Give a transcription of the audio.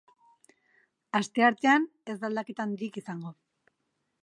Asteartean, ez da aldaketa handirik izango.